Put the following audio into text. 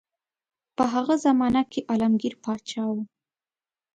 په هغه زمانه کې عالمګیر پاچا وو.